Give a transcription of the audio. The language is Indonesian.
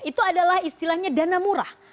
itu adalah istilahnya dana murah